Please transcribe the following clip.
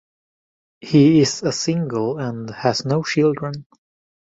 He is a single and has no children.